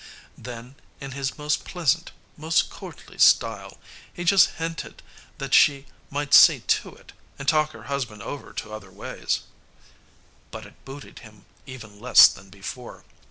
Then, in his most pleasant, most courtly style, he just hinted that she might see to it, and talk her husband over to other ways. But it booted him even less than before.